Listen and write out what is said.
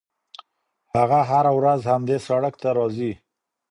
هغه هره ورځ همدې سړک ته راځي.